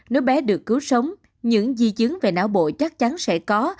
nếu bé được cứu sống những di chứng về não bộ chắc chắn sẽ có